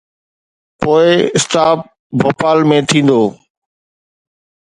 پوءِ اسٽاپ ڀوپال ۾ ٿيندو.